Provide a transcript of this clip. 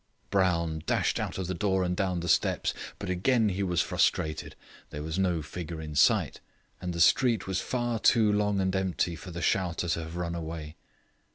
Brown dashed out of the door and down the steps, but again he was frustrated; there was no figure in sight, and the street was far too long and empty for the shouter to have run away.